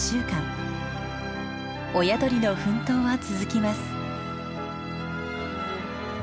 親鳥の奮闘は続きます。